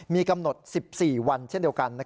มีกำหนด๑๔วันเช่นเดียวกัน